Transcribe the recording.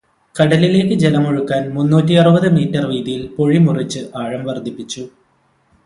കടലിലേക്ക് ജലമൊഴുക്കാന് മുന്നൂറ്റിയറുപത് മീറ്റര് വീതിയില് പൊഴി മുറിച്ച് ആഴം വര്ദ്ധിപ്പിച്ചു.